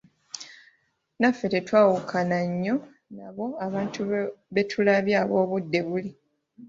Naffe tetwawukana nnyo n‘abo abantu be tulabye ab‘obudde buli.